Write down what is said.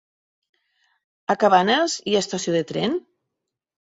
A Cabanes hi ha estació de tren?